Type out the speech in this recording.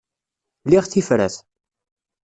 Liɣ tifrat.